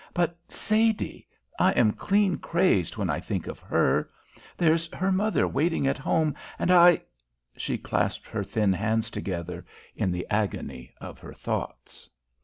But Sadie I am clean crazed when I think of her. There's her mother waiting at home, and I " She clasped her thin hands together in the agony of her thoughts.